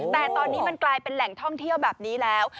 แต่ตอนนี้มันกลายเป็นแหล่งท่องเที่ยวแบบนี้แล้ว